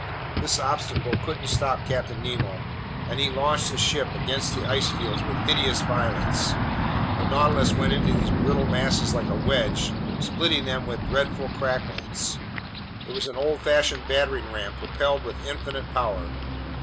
This obstacle couldn't stop Captain Nemo, and he launched his ship against the ice fields with hideous violence. The Nautilus went into these brittle masses like a wedge, splitting them with dreadful cracklings. It was an old fashioned battering ram propelled with infinite power.